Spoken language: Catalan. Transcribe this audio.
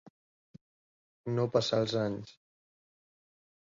No passar els anys.